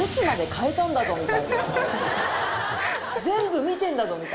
全部見てんだぞ！